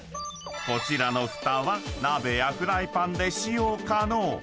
［こちらのふたは鍋やフライパンで使用可能］